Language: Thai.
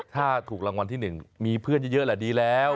ถ้าถูกรางวัลที่๑มีเพื่อนเยอะแหละดีแล้ว